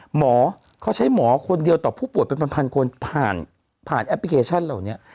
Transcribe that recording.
หมอเขาใช้หมอคนเดียวต่อผู้ป่วยเป็นพันคนผ่านผ่านแอปพลิเคชันเหล่านี้